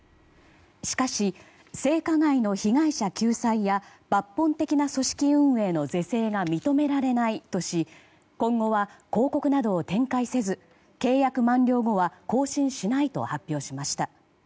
しかし、性加害の被害者救済や抜本的な組織運営の是正が認められないとし今後は広告などを展開せず契約満了後は更新しないと発表しました。